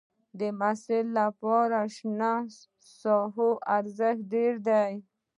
د محصل لپاره شنو ساحو ارزښت ډېر دی.